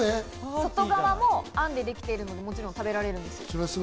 外側もあんでできているので、もちろん食べられます。